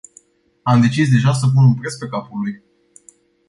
Am decis deja să pun un preț pe capul lui.